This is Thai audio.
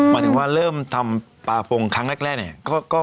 หมายถึงว่าเริ่มทำปลาพงครั้งแรกเนี่ย